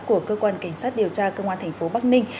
của cơ quan cảnh sát điều tra cơ quan tp bắc ninh